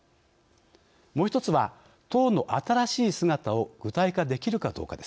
もう一つは党の新しい姿を具体化できるかどうかです。